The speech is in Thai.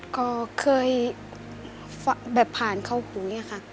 ก็เคยแบบผ่านเข้ากูแหละค่ะ